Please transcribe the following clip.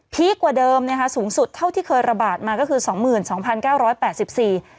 กว่าเดิมนะคะสูงสุดเท่าที่เคยระบาดมาก็คือสองหมื่นสองพันเก้าร้อยแปดสิบสี่